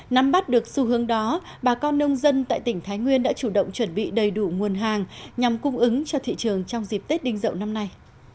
nắm bắt được xu hướng đó bà con nông dân tại tỉnh thái nguyên đã chủ động chuẩn bị đầy đủ nguồn hàng nhằm cung ứng cho thị trường trong dịp tết đinh dậu năm nay